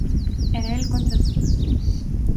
Era el contra todos.